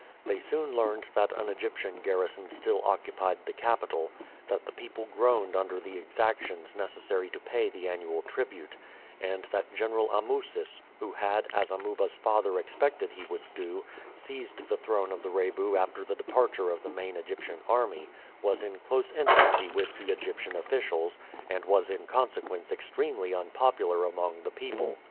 They soon learned that an Egyptian garrison still occupied the capital, that the people groaned under the exactions necessary to pay the annual tribute, and that General Amusis, who had, as Amuba's father expected he would do, seized the throne of the Rebu after the departure of the main Egyptian army, was in close intimacy with the Egyptian officials, and was in consequence extremely unpopular among the people.